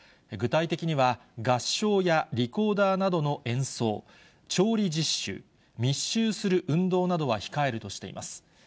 具体的には、合唱やリコーダーなどの演奏、調理実習、密集する運動などは控えるとしています。